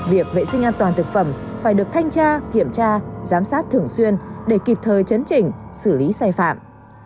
việc vệ sinh an toàn thực phẩm phải được thanh tra kiểm tra giám sát thường xuyên để kịp thời chấn chỉnh xử lý sai phạm